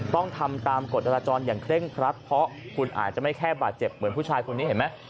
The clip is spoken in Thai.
ต้องทำตามกฎจราจรอย่างเคร่งครัดเพราะคุณอาจจะไม่แค่บาดเจ็บเหมือนผู้ชายคนนี้เห็นไหม